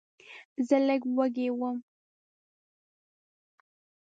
زه لږ وږی وم.